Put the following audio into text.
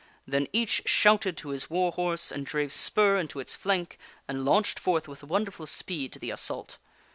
Then each shouted to his war horse, and drave spur into its flank, and launched forth with wonderful speed to the assault.